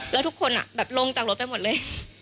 แล้วทุกคนลงจากรถไปหมดเลย